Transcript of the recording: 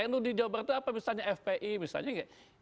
nu di jawa barat itu apa misalnya fpi misalnya nggak